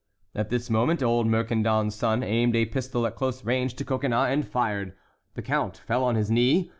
At this moment old Mercandon's son aimed a pistol at close range to Coconnas, and fired. The count fell on his knee.